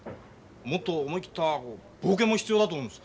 もっと思い切った冒険も必要だと思うんです。